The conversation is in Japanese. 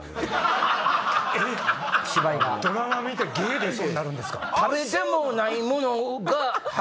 ドラマ見てゲエ出そうになるんですか？